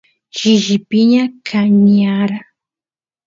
shishi piña kaniyara